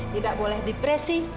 tidak boleh depresi